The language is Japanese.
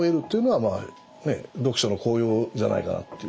読書の効用じゃないかなっていう。